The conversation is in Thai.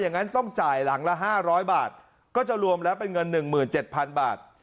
งั้นต้องจ่ายหลังละ๕๐๐บาทก็จะรวมแล้วเป็นเงิน๑๗๐๐บาท